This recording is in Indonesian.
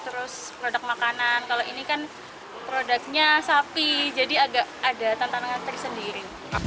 terus produk makanan kalau ini kan produknya sapi jadi agak ada tantangan tersendiri